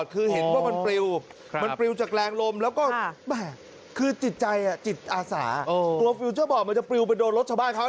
คือจิตใจจิตอาสากลัวฟิวเจ้าบอกมันจะปลิวไปโดนรถออกบ้านเขา